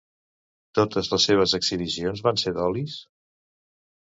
Totes les seves exhibicions van ser d'olis?